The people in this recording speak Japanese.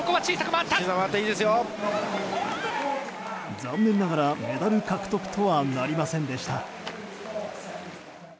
残念ながらメダル獲得とはなりませんでした。